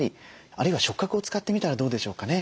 あるいは触覚を使ってみたらどうでしょうかね。